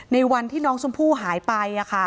วันที่น้องชมพู่หายไป